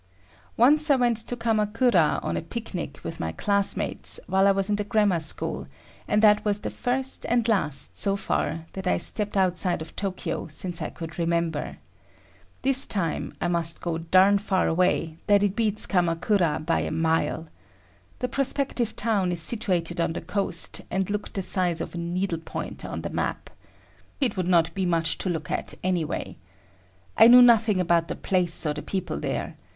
Once I went to Kamakura on a picnic with my classmates while I was in the grammar school, and that was the first and last, so far, that I stepped outside of Tokyo since I could remember. This time I must go darn far away, that it beats Kamakura by a mile. The prospective town is situated on the coast, and looked the size of a needle point on the map. It would not be much to look at anyway. I knew nothing about the place or the people there.